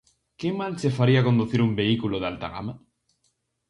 Que mal che faría conducir un vehículo de alta gama?